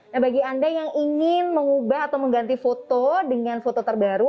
nah bagi anda yang ingin mengubah atau mengganti foto dengan foto terbaru